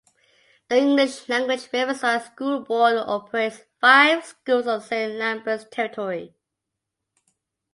The English language Riverside School Board operates five schools on Saint-Lambert's territory.